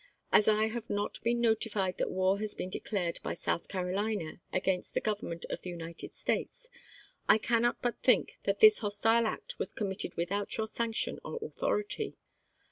As I have not been notified that war has been declared by South Carolina against the Government of the United States, I cannot but think that this hostile act was com mitted without your sanction or authority.